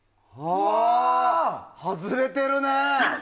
外れてるね！